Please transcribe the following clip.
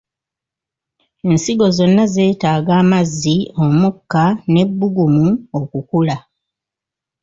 Ensigo zonna zeetaaga amazzi, omukka n'ebbugumu okukula.